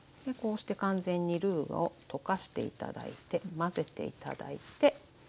こうして完全にルーを溶かして頂いて混ぜて頂いて。